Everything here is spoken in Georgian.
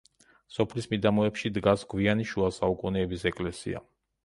სოფლის მიდამოებში დგას გვიანი შუასაუკუნეების ეკლესია.